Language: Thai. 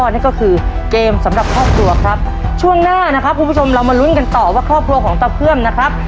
นั่นก็คือเกมสำหรับครอบครัวครับช่วงหน้านะครับคุณผู้ชมเรามาลุ้นกันต่อว่าครอบครัวของตาเพื่อมนะครับ